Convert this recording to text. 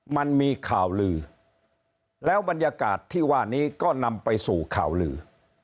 มันมีข่าวลือแล้วบรรยากาศที่ว่านี้ก็นำไปสู่ข่าวลือ